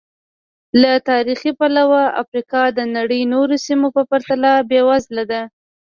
له تاریخي پلوه افریقا د نړۍ نورو سیمو په پرتله بېوزله ده.